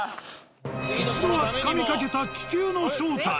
一度はつかみかけた気球の正体。